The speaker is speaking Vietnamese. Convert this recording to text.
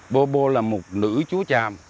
bô bô là một nữ chúa tràm